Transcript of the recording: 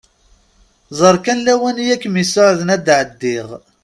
Ẓer kan lawan i akem-isuɛden ad d-ɛeddiɣ.